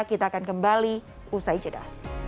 kita akan kembali usai jeda